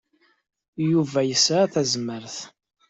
Yuba yesɛa tazmert.